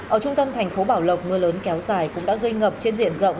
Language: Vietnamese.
ở trung tâm thành phố bảo lộc mưa lớn kéo dài cũng đã gây ngập trên diện rộng